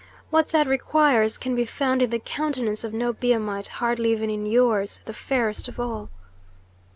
What that requires can be found in the countenance of no Biamite, hardly even in yours, the fairest of all."